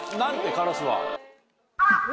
カラスは。